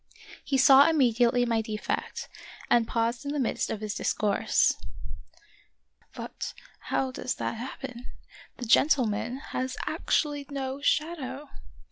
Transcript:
He saw immediately my defect, and paused in the midst of his discourse. of Peter SchlemihL 97 " But how does that happen? the gentleman has actually no shadow